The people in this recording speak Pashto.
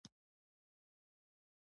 _مړۍ خورې؟